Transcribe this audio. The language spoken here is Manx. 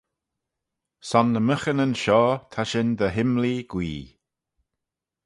Son ny myghinyn shoh ta shin dy imlee gwee.